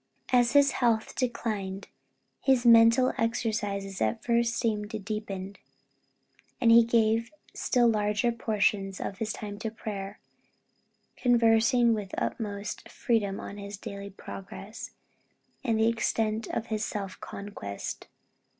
As his health declined, his mental exercises at first seemed deepened; and he gave still larger portions of his time to prayer, conversing with the utmost freedom on his daily progress, and the extent of his self conquest.